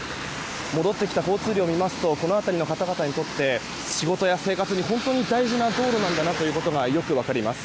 戻ってきた交通量を見ますとこの辺りの方々にとって仕事や生活に本当に大事な道路なんだと分かります。